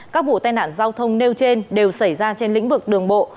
các vụ tai nạn giao thông nêu trên đều xảy ra trên lĩnh vực đường bộ